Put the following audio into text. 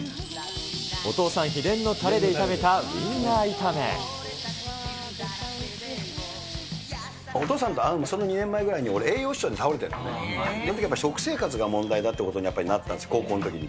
お父さん秘伝のたれで炒めたお父さんと会うその２年前ぐらいに俺、栄養失調で倒れてるのね、そのときやっぱり、食生活が問題だっていうことにやっぱりなったんです、高校のときに。